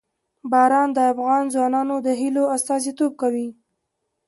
باران د افغان ځوانانو د هیلو استازیتوب کوي.